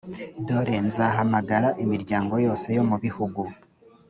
dore nzahamagara imiryango yose yo mu bihugu